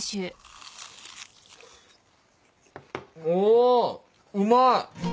おうまい！